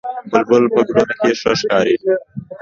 بلبل په ګلونو کې ښه ښکاري